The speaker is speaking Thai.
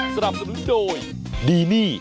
สำหรับสมมุติโดยดีนี่